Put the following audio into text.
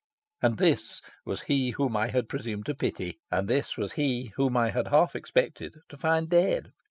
And this was he whom I had presumed to pity! And this was he whom I had half expected to find dead.